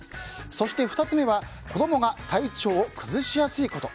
そして２つ目は子供が体調を崩しやすいこと。